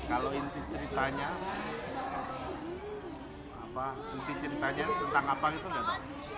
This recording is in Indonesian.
kalau inti ceritanya inti ceritanya tentang apa itu enggak pak